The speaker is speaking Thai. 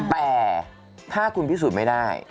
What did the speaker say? แต่ถ้าคุณพิสูจน์ไม่ได้